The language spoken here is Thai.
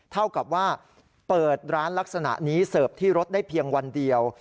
เท่ากับว่าเปิดร้านลักษณะนี้เสิร์ฟที่รถได้เพียงวันเดียว